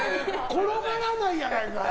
転がらないやないかい！